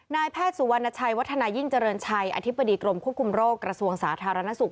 นายแพทย์สุวรรณชัยวัฒนายิ่งเจริญชัยอธิบดีกรมควบคุมโรคกระทรวงสาธารณสุข